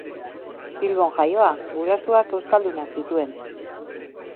Bilbon jaioa, gurasoak euskaldunak zituen.